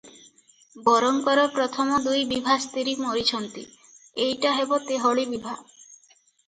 ବରଙ୍କର ପ୍ରଥମ ଦୁଇ ବିଭା ସ୍ତିରୀ ମରିଛନ୍ତି, ଏଇଟା ହେବ ତେହଳି ବିଭା ।